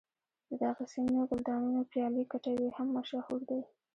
د دغې سیمې ګلدانونه پیالې کټوۍ هم مشهور دي.